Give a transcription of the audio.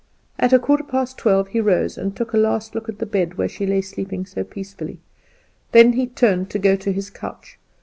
At a quarter past twelve he rose, and took a last look at the bed where she lay sleeping so peacefully; then he turned to go to his couch.